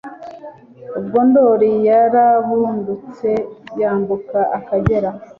Ubwo Ndoli yarabundutse yambuka Akagera